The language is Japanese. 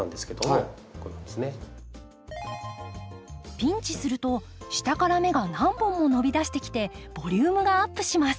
ピンチすると下から芽が何本も伸びだしてきてボリュームがアップします。